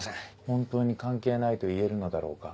本当に関係ないと言えるのだろうか。